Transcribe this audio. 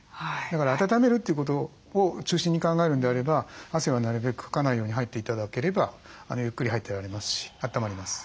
だから温めるということを中心に考えるんであれば汗はなるべくかかないように入って頂ければゆっくり入ってられますしあったまります。